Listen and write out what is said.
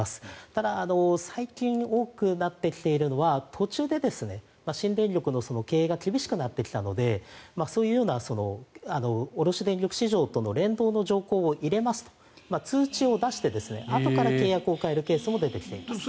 ただ、最近多くなってきているのは途中で新電力の経営が厳しくなってきたのでそういうような卸電力市場との連動の条項を入れますと通知を出してあとから契約を変えるケースも出てきています。